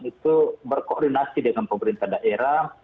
itu berkoordinasi dengan pemerintah daerah